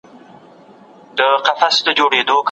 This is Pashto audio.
که یوازي وویل سي نو خبره په هوا کي ورکیږي.